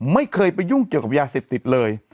ไม่เคยไปยุ่งเกี่ยวกับยาเสพติดเลย